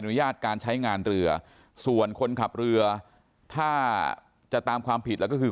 ญาตการใช้งานเรือส่วนคนขับเรือถ้าจะตามความผิดแล้วก็คือ